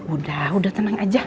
udah udah tenang aja